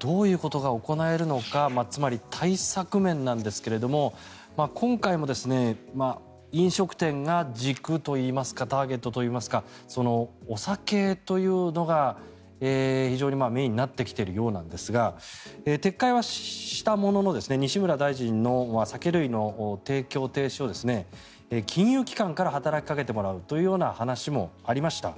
どういうことが行えるのかつまり、対策面なんですが今回も飲食店が軸といいますかターゲットといいますかお酒というのが非常にメインになってきているようなんですが撤回はしたものの西村大臣の、酒類の提供停止を金融機関から働きかけてもらうというような話もありました。